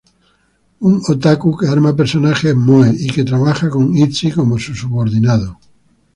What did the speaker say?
Un otaku que ama personajes moe, y que trabaja con Izzy como su subordinado.